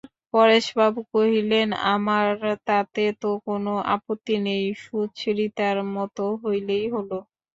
পরেশবাবু কহিলেন, আমার তাতে তো কোনো আপত্তি নেই, সুচরিতার মত হলেই হল।